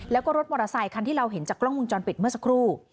แล้วก็รถมอเตอร์ไซคันที่เราเห็นจากกล้องวงจรปิดเมื่อสักครู่